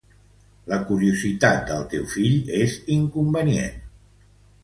La curiositat del teu fill és inconvenient.